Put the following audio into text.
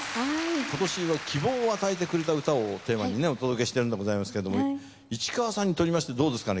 今年は希望を与えてくれた歌をテーマにお届けしてるんでございますけれども市川さんにとりましてどうですかね？